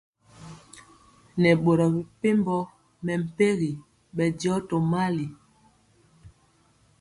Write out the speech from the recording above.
Nɛ boro mepempɔ mɛmpegi bɛndiɔ tomali.